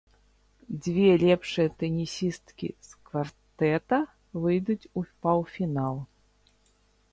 Дзве лепшыя тэнісісткі з квартэта выйдуць у паўфінал.